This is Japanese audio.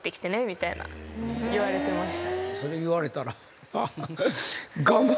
みたいな言われてました。